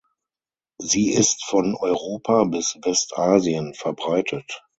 Sie ist von Europa bis Westasien verbreitet.